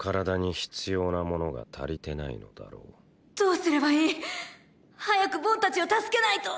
どうすればいい⁉早くボンたちを助けないと！